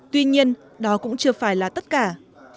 tuy nhiên đó cũng chưa phải là tuyệt vời